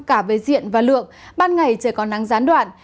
cả về diện và lượng ban ngày trời còn nắng gián đoạn